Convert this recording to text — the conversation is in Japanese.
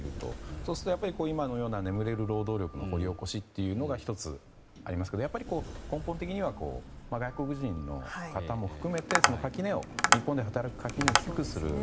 そうすると今のような眠れる労働力の掘り起こしが１つ、ありますがやっぱり根本的には外国人の方も含めて日本で働く垣根を低くする。